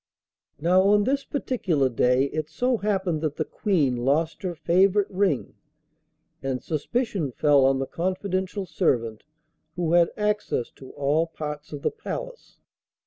Now on this particular day, it so happened that the Queen lost her favourite ring, and suspicion fell on the confidential servant who had access to all parts of the palace.